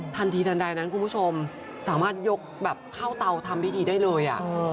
ทันทีทันใดนั้นคุณผู้ชมสามารถยกแบบเข้าเตาทำพิธีได้เลย